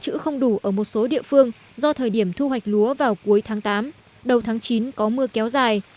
chữ không đủ ở một số địa phương do thời điểm thu hoạch lúa vào cuối tháng tám đầu tháng chín có mưa kéo dài